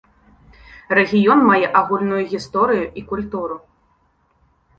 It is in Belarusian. Рэгіён мае агульную гісторыю і культуру.